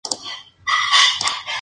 Saks y David se divorciaron más tarde.